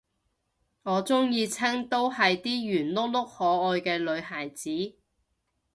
我鍾意親都係啲圓碌碌可愛嘅女孩子